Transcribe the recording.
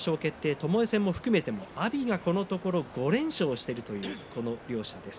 ともえ戦も含めても阿炎は、このところ５連勝しているというこの両者です。